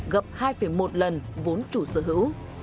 gặp hai một lần vốn chủ sở hữu